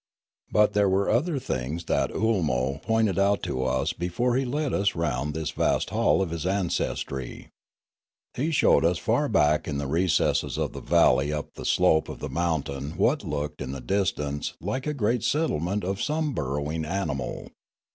But there were other things that Oolmo pointed out to us before he led us round this vast hall of his ancestry. 68 Limanora He showed us far back in the recesses of the valley up the slope of the mountain what looked in the distance like a great settlement of some burrowing animal.